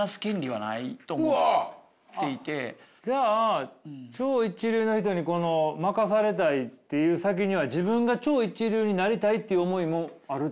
じゃあ超一流の人に負かされたいっていう先には自分が超一流になりたいっていう思いもあるってことですか。